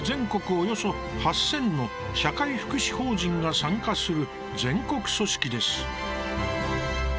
およそ８０００の社会福祉法人が参加する全国組織です。